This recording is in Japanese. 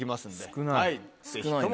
少ないな。